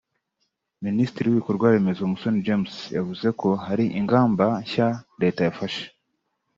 Minisitiri w’ibikorwaremezo Musoni James yavuze ko hari ingamba nshya Leta yafashe